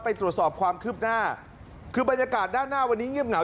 ไปตรวจสอบความคืบหน้าคือบรรยากาศด้านหน้าวันนี้เงียบเหงา